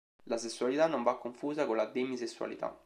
L'asessualità non va confusa con la demisessualità.